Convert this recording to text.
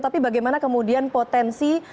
tapi bagaimana kemudian potensi